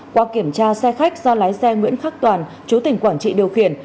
qua kiểm tra xe khách do lái xe nguyễn khắc toàn chú tỉnh quảng trị điều khiển